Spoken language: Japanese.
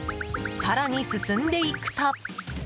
更に進んでいくと。